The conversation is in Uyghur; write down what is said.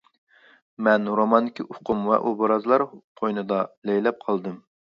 مەن روماندىكى ئۇقۇم ۋە ئوبرازلار قوينىدا لەيلەپ قالدىم.